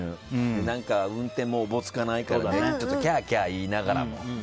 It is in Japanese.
運転もおぼつかないからキャーキャー言いながらも。